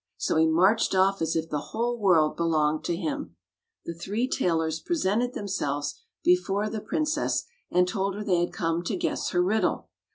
So he marched off as if the whole world belonged to him. The three tailors presented themselves before the princess and told her they had come to guess her riddle.